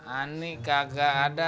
ani kagak ada